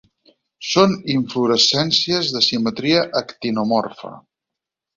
Són inflorescències de simetria actinomorfa.